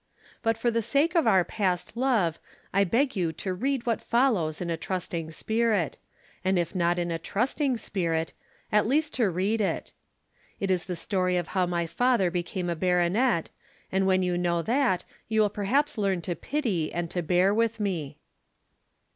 But for the sake of our past love I beg you to read what follows in a trusting spirit, and if not in a trusting spirit, at least to read it. It is the story of how my father became a baronet, and when you know that, you will perhaps learn to pity and to bear with me.